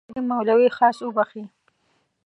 خدای دې مولوي خالص وبخښي.